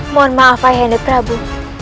mohon maaf ayah hendra prabu